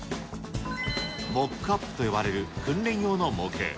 モックアップと呼ばれる訓練用の模型。